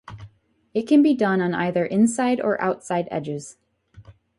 It can be done on either inside or outside edges.